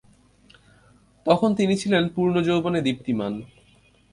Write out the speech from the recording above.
তখন তিনি ছিলেন পূর্ণ যৌবনে দীপ্তিমান।